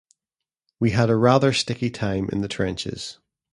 We had a rather sticky time in the trenches.